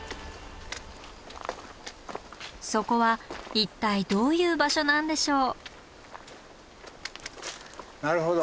そこは一体どういう場所なんでしょう？